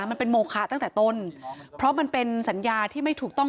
มันเป็นโมคะตั้งแต่ต้นเพราะมันเป็นสัญญาที่ไม่ถูกต้อง